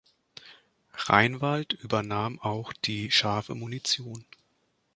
Rheinwald übernahm auch die scharfe Munition.